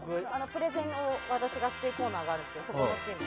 プレゼンを私がしているコーナーがあるんですけどそこのチーム。